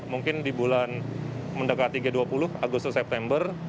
mungkin di bulan mendekati g dua puluh agustus september